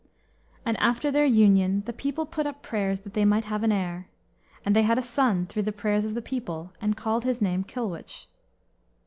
And after their union the people put up prayers that they might have an heir. And they had a son through the prayers of the people; and called his name Kilwich.